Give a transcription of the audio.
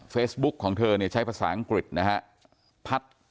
เฟสบุ๊คของเธอใช้ภาษาอังกฤษนะครับ